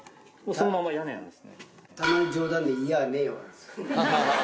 そのまま屋根なんですね。